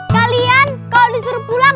kalian kalau disuruh pulang